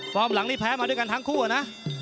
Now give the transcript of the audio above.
หลังนี้แพ้มาด้วยกันทั้งคู่นะ